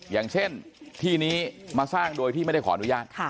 อย่างเช่นที่นี้มาสร้างโดยที่ไม่ได้ขออนุญาต